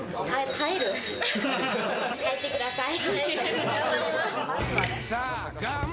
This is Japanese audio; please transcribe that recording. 耐えてください。